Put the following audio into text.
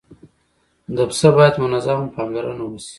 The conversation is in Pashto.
پسه باید منظمه پاملرنه وشي.